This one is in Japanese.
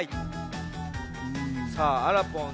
さああらぽん